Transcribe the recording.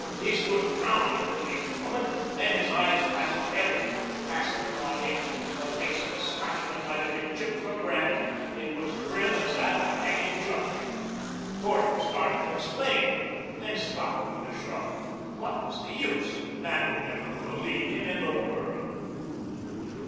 He stood frowning at the native woman, then his eyes passed to Elliot and fastened upon him. The face of the Scotchman might have been chipped from granite. It was grim as that of a hanging judge. Gordon started to explain, then stopped with a shrug. What was the use? The man would never believe him in the world.